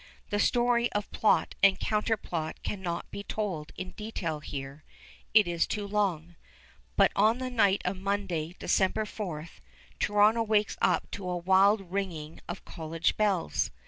The story of plot and counter plot cannot be told in detail here; it is too long. But on the night of Monday, December 4, Toronto wakes up to a wild ringing of college bells.